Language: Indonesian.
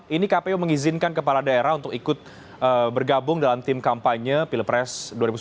ini kpu mengizinkan kepala daerah untuk ikut bergabung dalam tim kampanye pilpres dua ribu sembilan belas